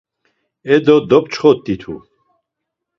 E do, dopçxot̆itu.